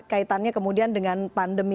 kaitannya kemudian dengan pandemi